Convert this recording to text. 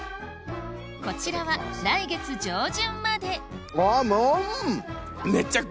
こちらは来月上旬まであっん！